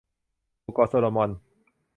หมู่เกาะโซโลมอน